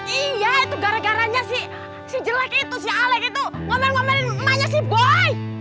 iya itu gara garanya si jelek itu si alex itu ngomongin mennya si boy